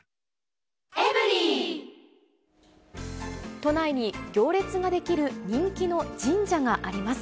都内に行列が出来る人気の神社があります。